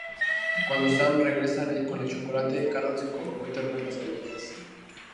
Cuando Sam regresa con el chocolate, Carol se compromete a hornear las galletas.